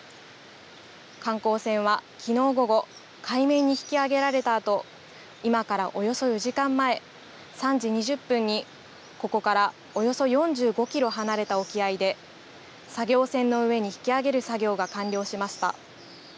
観光船はきのう午後、海面に引き揚げられたあと、今からおよそ４時間前、３時２０分にここからおよそ４５キロ離れた沖合で、作業船の上に引き揚げる作業が完了しました。